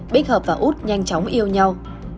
bích hợp và úc nhanh chóng yêu nhau